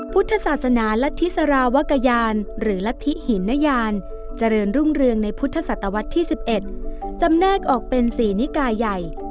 พุทธศาสนารัฐธิสารวกยานหรือรัฐธิหินนยานเจริญรุ่งเรืองในพุทธศตวรรษที่๑๑จำแนกออกเป็น๔นิกาใหญ่